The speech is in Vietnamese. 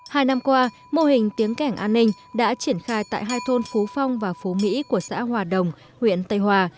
hai năm qua mô hình tiếng cảnh an ninh đã triển khai tại hai thôn phú phong và phú mỹ của xã hòa đồng huyện tây hòa